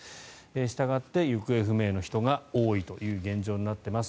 したがって、行方不明の人が多いという現状になっています。